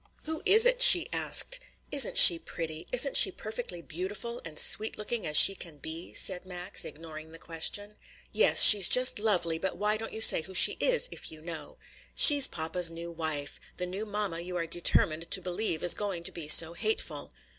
"Who is it?" she asked. "Isn't she pretty? isn't she perfectly beautiful, and sweet looking as she can be?" said Max, ignoring the question. "Yes, she's just lovely; but why don't you say who she is, if you know?" "She's papa's new wife, the new mamma you are determined to believe is going to be so hateful."